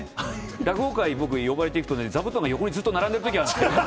落語会、僕、呼ばれていくとね、座布団が横にずっと並んでるときがあるんですよ。